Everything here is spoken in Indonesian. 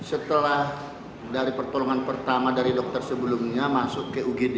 setelah dari pertolongan pertama dari dokter sebelumnya masuk ke ugd